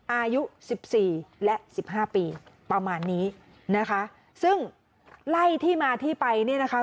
อายุสิบสี่และสิบห้าปีประมาณนี้นะคะซึ่งไล่ที่มาที่ไปเนี่ยนะคะ